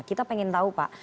kita pengen tahu pak